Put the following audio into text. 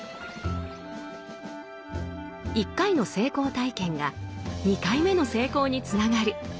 １回の成功体験が２回目の成功につながる。